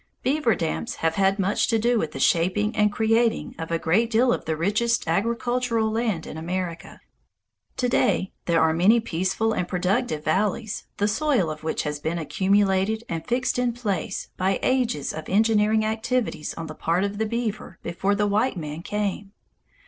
Beaver dams have had much to do with the shaping and creating of a great deal of the richest agricultural land in America. To day there are many peaceful and productive valleys the soil of which has been accumulated and fixed in place by ages of engineering activities on the part of the beaver before the white man came.